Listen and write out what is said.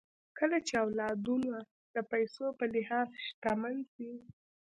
کله چې اولادونه د پيسو په لحاظ شتمن سي